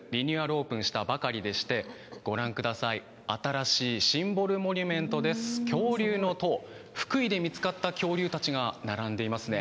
オープンしたばかりでして、ご覧ください、新しいシンボルモニュメントです、恐竜の塔、福井で見つかった恐竜たちが並んでいますね。